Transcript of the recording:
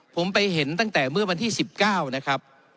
ผมไปเห็นตั้งแต่เมื่อวันที่๑๙นะครับ